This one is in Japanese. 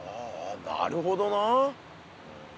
なるほどなあ。